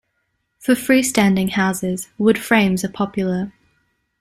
For freestanding houses, wood frames are popular.